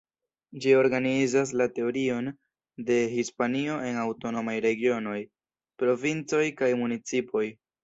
Ĝi organizas la teritorion de Hispanio en aŭtonomaj regionoj, provincoj kaj municipoj.